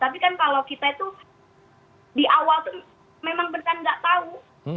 tapi kan kalau kita itu di awal itu memang benar nggak tahu